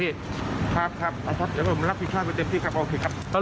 เดี๋ยวผมรับผิดชอบไปเต็มที่ครับเอาสิครับ